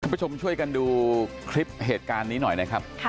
ผู้ชมช่วยกันดูคลิปเหตุการณ์นี้หน่อยนะครับ